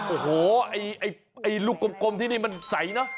โอ้โหไอ้ลูกกลมที่นี่มันใสเนอะ